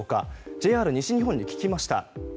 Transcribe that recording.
ＪＲ西日本に聞きました。